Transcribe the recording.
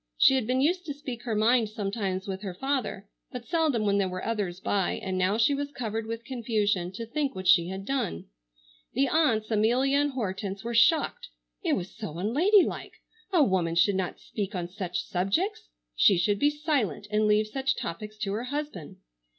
She had been used to speak her mind sometimes with her father, but seldom when there were others by, and now she was covered with confusion to think what she had done. The aunts, Amelia and Hortense, were shocked. It was so unladylike. A woman should not speak on such subjects. She should be silent and leave such topics to her husband.